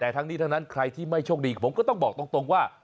แต่ทั้งนี้ทั้งนั้นใครที่ไม่โชคดีผมก็ต้องบอกตรงว่า